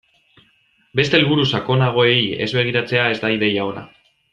Beste helburu sakonagoei ez begiratzea ez da ideia ona.